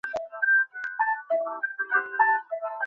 মায়ের চিঠি এসেছিস।